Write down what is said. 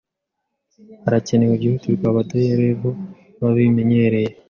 Harakenewe byihutirwa abaderevu babimenyereye.